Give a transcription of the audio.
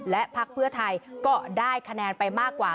และพักเพื่อไทยก็ได้คะแนนไปมากกว่า